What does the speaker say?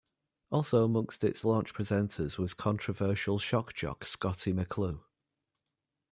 Also amongst its launch presenters was controversial shock jock Scottie McClue.